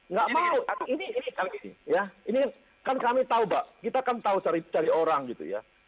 nggak mau ini ya ini kan kami tahu mbak kita kan tahu cari orang gitu ya